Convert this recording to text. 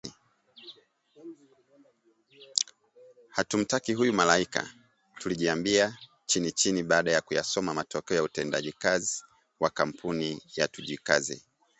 Hatumtaki huyu malaika,” tulijiambia chinichini baada ya kuyasoma matokeo ya utendakazi wa Kampuni ya Tujikaze